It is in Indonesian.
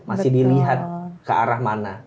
masih dilihat ke arah mana